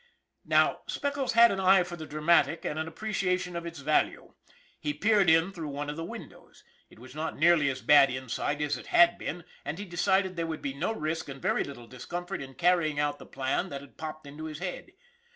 Now, Speckles had an eye for the dramatic and an appreciation of its value. He peered in through one of the windows. It was not nearly as bad inside as it had been, and he decided there would be no risk and very little discomfort in carrying out the plan that had popped into his head.